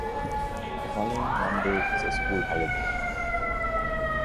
The following Monday is a school holiday.